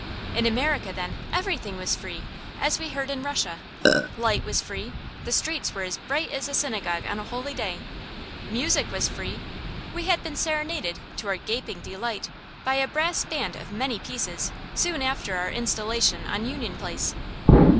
In America, then, everything was free, as we had heard in Russia. Light was free; the streets were as bright as a synagogue on a holy day. Music was free; we had been serenaded, to our gaping delight, by a brass band of many pieces, soon after our installation on Union Place.